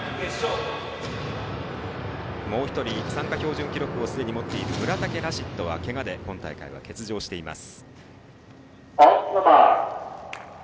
もう１人、参加標準記録をすでに持っている村竹ラシッドはけがで今大会は欠場しています。